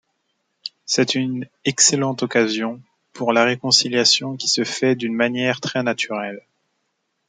C'est une excellente occasion pour la réconciliation qui se fait d'une manière très naturelle.